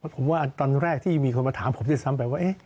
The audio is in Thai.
ผมว่าตอนแรกที่มีคนมาถามผมด้วยซ้ำไปว่า